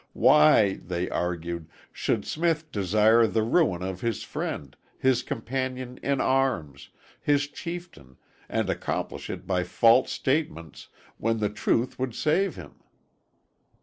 Why, they argued, should Smith desire the ruin of his friend, his companion in arms, his chieftain, and accomplish it by false statements, when the truth would save him?